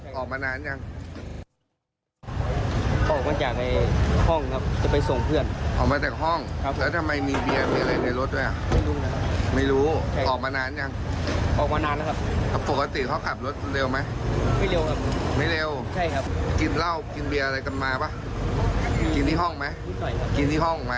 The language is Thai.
จะส่งเพื่อนหรือเหรอใช่ได้จะมาส่งเพื่อน